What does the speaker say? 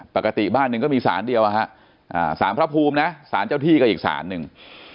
ปกติบ้านหนึ่งก็มีสารเดียวสารพระภูมินะสารเจ้าที่ก็อีกสารหนึ่ง